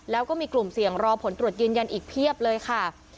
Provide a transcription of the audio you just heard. แล้วก็มีกลุ่มเสี่ยงรอผลตรวจยืนยันอีกเพียบเลยค่ะ